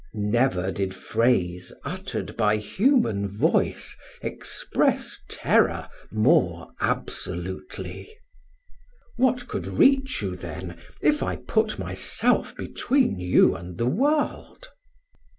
Never did phrase uttered by human voice express terror more absolutely. "What could reach you, then, if I put myself between you and the world?"